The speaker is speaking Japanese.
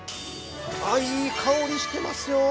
◆あっ、いい香りしてますよ。